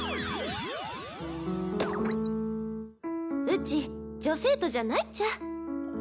うち女生徒じゃないっちゃ。